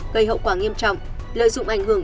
gây hậu quả nghiêm trọng lợi dụng ảnh hưởng